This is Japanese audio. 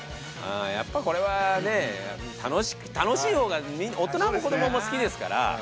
やっぱこれはね楽しいほうが大人も子どもも好きですから。